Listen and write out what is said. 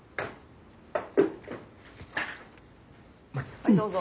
はいどうぞ。